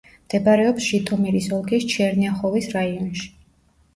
მდებარეობს ჟიტომირის ოლქის ჩერნიახოვის რაიონში.